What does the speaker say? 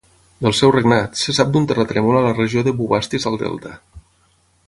Del seu regnat, se sap d'un terratrèmol a la regió de Bubastis al delta.